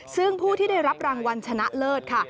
ซึ่งผู้ที่ได้รับรางวัลชนะเลิศค่ะ